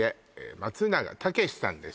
松永武さんです